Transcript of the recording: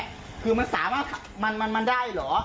ถ้าบางคนมองเห็นคือมันได้เหรอ